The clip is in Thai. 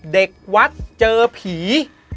เด็กวัดเจอผี